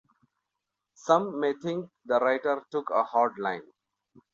Some may think the writer took a hard line.